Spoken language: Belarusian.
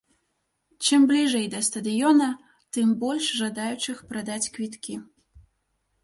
Чым бліжэй да стадыёна, тым больш жадаючых прадаць квіткі.